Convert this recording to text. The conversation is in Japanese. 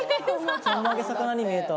ちょんまげ、魚に見えた。